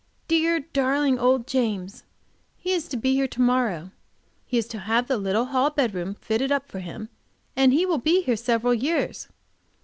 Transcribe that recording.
Dear, darling old James! He is to be here to morrow. He is to have the little hall bedroom fitted up for him, and he will be here several years.